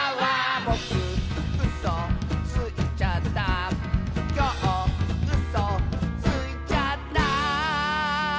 「ぼくうそついちゃった」「きょううそついちゃった」